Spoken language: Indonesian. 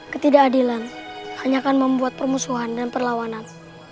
ketidakadilan hanya akan membuat permusuhan dan perlawanan